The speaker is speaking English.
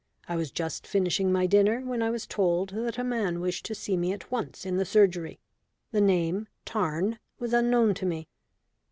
I was just finishing my dinner when I was told that a man wished to see me at once in the surgery. The name, Tarn, was unknown to me.